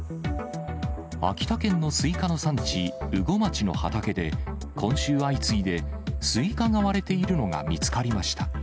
秋田県のスイカの産地、羽後町の畑で、今週相次いで、スイカが割れているのが見つかりました。